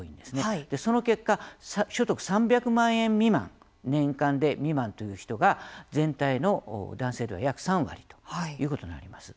その結果、所得３００万円未満年間で未満という人が全体の男性では約３割ということになります。